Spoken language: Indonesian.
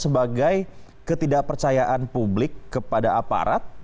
sebagai ketidakpercayaan publik kepada aparat